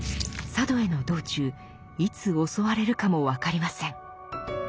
佐渡への道中いつ襲われるかも分かりません。